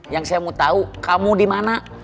yang saya mau tahu kamu di mana